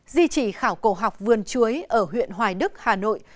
di trì khảo cổ học vườn chuối ở huyện hoài đức hà nội